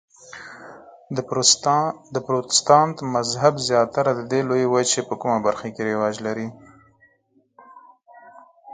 د پروتستانت مذهب زیاتره د دې لویې وچې په کومه برخه کې رواج لري؟